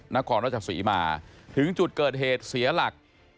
นครราชศรีมาถึงจุดเกิดเหตุเสียหลัก